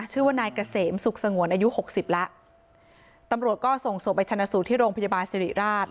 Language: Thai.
ชื่อว่านายเกษมสุขสงวนอายุหกสิบแล้วตำรวจก็ส่งศพไปชนะสูตรที่โรงพยาบาลสิริราช